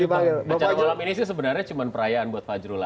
acara malam ini sih sebenarnya cuma perayaan buat fajrul lah